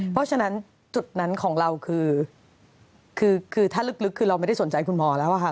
เพราะฉะนั้นจุดนั้นของเราคือถ้าลึกคือเราไม่ได้สนใจคุณหมอแล้วอะค่ะ